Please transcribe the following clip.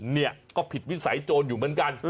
เนี่ยก็ผิดวิสัยโจรอยู่เหมือนกัน